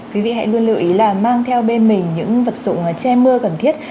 quý vị hãy luôn lưu ý là mang theo bên mình những vật dụng che mưa cần thiết